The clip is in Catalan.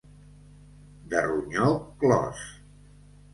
De ronyó clos.